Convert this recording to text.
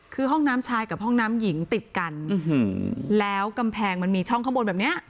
คือห้องน้ำชายกับห้องน้ำหญิงติดกันแล้วกำแพงมันมีช่องข้างบนแบบเนี้ย